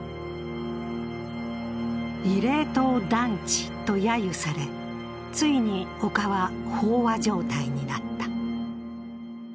慰霊塔団地とやゆされ、ついに丘は飽和状態になった。